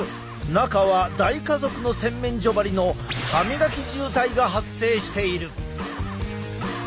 中は大家族の洗面所ばりの歯みがき渋滞が発生している。